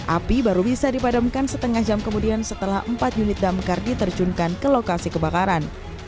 api baru bisa dipadamkan setengah jam kemudian setelah empat unit damkar diterjunkan ke lokasi kebakaran